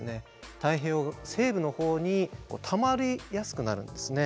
太平洋西部の方にたまりやすくなるんですね。